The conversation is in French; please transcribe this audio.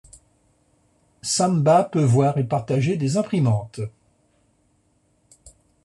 Samba peut voir et partager des imprimantes.